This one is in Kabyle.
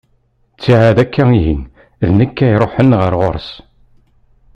Kiɛad akka ihi, d nekk ara iruḥen ɣer ɣur-s.